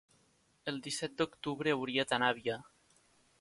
el disset d'octubre hauria d'anar a Avià.